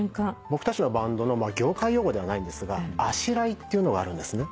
僕たちのバンドの業界用語ではないんですが「あしらい」っていうのがあるんですね。